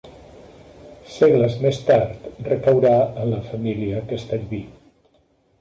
Segles més tard, recaurà en la família Castellví.